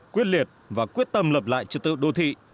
quyết liệt và quyết tâm lập lại cho tựa đô thị